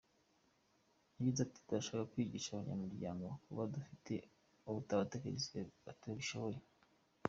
Yagize ati "Turashaka kwigisha abanyamwuga kuko dufite abatekinisiye babishoboye.